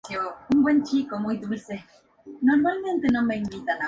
Una lb de carne costaba una libra palestina.